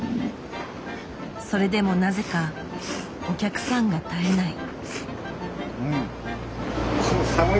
それでもなぜかお客さんが絶えない。